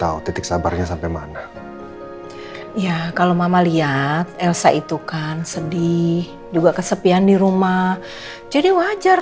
akhirnya kamu sudah masih temankan dirimu baik